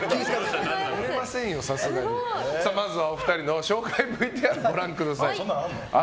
まずはお二人の紹介ＶＴＲご覧ください。